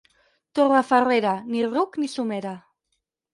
Torrefarrera, ni ruc ni somera.